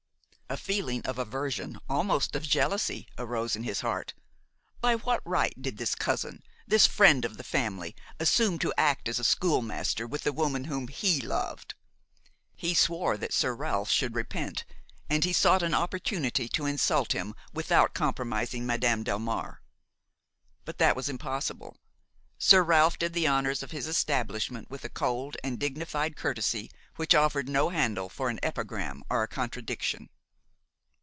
A feeling of aversion, almost of jealousy, arose in his heart. By what right did this cousin, this friend of the family, assume to act as a school master with the woman whom he loved! He swore that Sir Ralph should repent, and he sought an opportunity to insult him without compromising Madame Delmare; but that was impossible. Sir Ralph did the honors of his establishment with a cold and dignified courtesy which offered no handle for an epigram or a contradiction.